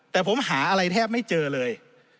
แต่ผมหาอะไรแทบไม่เจอเลย